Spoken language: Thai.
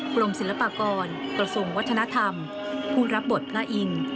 กรมศิลปากรกระทรวงวัฒนธรรมผู้รับบทพระอินทร์